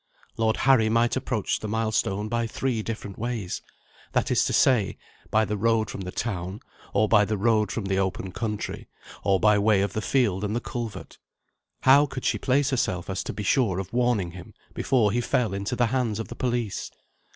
Lord Harry might approach the milestone by three different ways: that is to say by the road from the town, or by the road from the open country, or by way of the field and the culvert. How could she so place herself as to be sure of warning him, before he fell into the hands of the police?